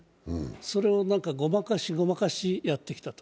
それをごまかしごまかしやってきたと。